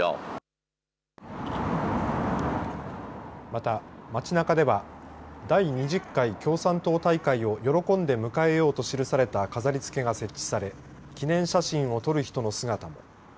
また、町なかでは第２０回共産党大会を喜んで迎えようと記された飾りつけが設置され記念写真を撮る人の姿。